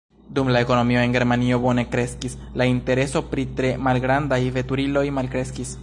Dum la ekonomio en Germanio bone kreskis, la intereso pri tre malgrandaj veturiloj malkreskis.